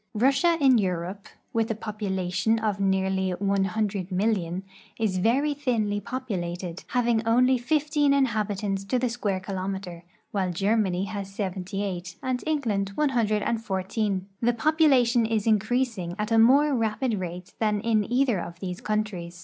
Russia in Europe, with a population of nearly 100,000,000, is very thinly populated, having only fifteen inhabitants to the square kilometer, while Germany has seventy eight and England one hundred and fourteen. The population is increasing at a more rapid rate than in either of these countries.